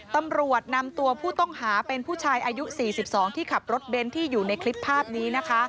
ตำรวจนำตัวผู้ต้องหาเป็นผู้ชายอายุ๔๒ที่ขับรถเบนท์ที่อยู่ในคลิปภาพนี้นะคะ